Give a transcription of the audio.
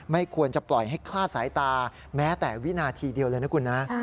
ไม่ควรจะปล่อยให้คลาดสายตาแม้แต่วินาทีเดียวเลยนะคุณนะ